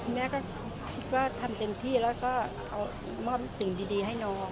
แม่ก็คิดว่าทำเต็มที่แล้วก็เอามอบสิ่งดีให้น้อง